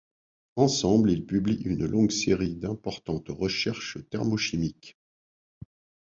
Ensemble, ils publient une longue série d'importantes recherches thermochimiques.